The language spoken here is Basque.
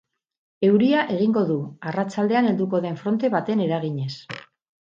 Euria egingo du, arratsaldean helduko den fronte baten eraginez.